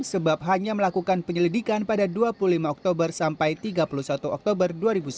sebab hanya melakukan penyelidikan pada dua puluh lima oktober sampai tiga puluh satu oktober dua ribu sembilan belas